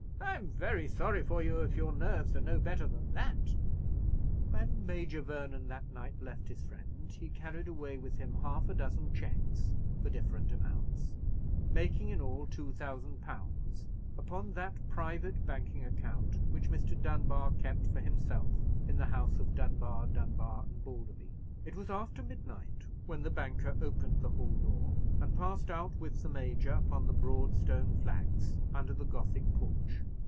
"I'm very sorry for you if your nerves are no better than that." When Major Vernon that night left his friend, he carried away with him half a dozen cheques for different amounts, making in all two thousand pounds, upon that private banking account which Mr. Dunbar kept for himself in the house of Dunbar, Dunbar, and Balderby. It was after midnight when the banker opened the hall door, and passed out with the Major upon the broad stone flags under the Gothic porch.